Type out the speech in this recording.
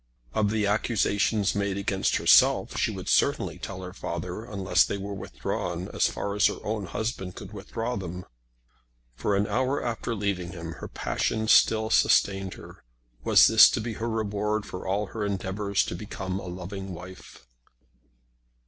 Of the accusations made against herself she would certainly tell her father, unless they were withdrawn as far as her own husband could withdraw them. For an hour after leaving him her passion still sustained her. Was this to be her reward for all her endeavours to become a loving wife?